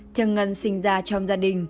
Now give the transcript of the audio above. thiên ngân sinh ra trong gia đình